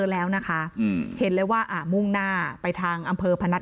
แล้วนะคะอืมเห็นเลยว่าอ่ามุ่งหน้าไปทางอำเภอพนัท